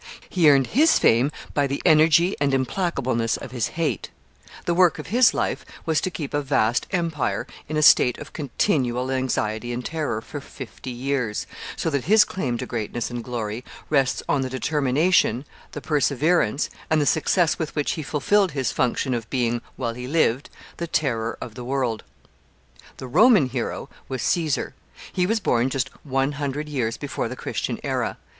He earned his fame by the energy and implacableness of his hate. The work of his life was to keep a vast empire in a state of continual anxiety and terror for fifty years, so that his claim to greatness and glory rests on the determination, the perseverance, and the success with which he fulfilled his function of being, while he lived, the terror of the world. [Sidenote: Julius Caesar.] The Roman hero was Caesar. He was born just one hundred years before the Christian era.